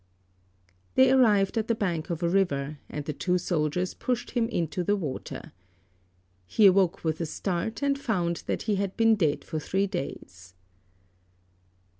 They arrived at the bank of a river, and the two soldiers pushed him into the water. He awoke with a start, and found that he had been dead for three days.